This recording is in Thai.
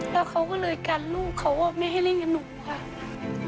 แล้วเขาก็เลยกันลูกเขาไม่ให้เล่นกับหนูค่ะ